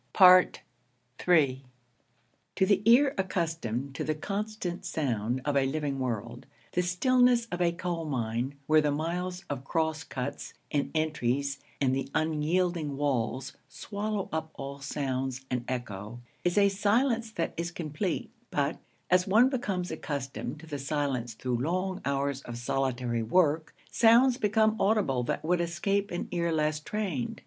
III To the ear accustomed to the constant sound of a living world, the stillness of a coal mine, where the miles of cross cuts and entries and the unyielding walls swallow up all sounds and echo, is a silence that is complete; but, as one becomes accustomed to the silence through long hours of solitary work, sounds become audible that would escape an ear less trained.